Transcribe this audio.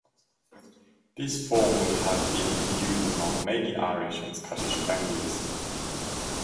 This form would have been in use among many Irish and Scottish pioneers.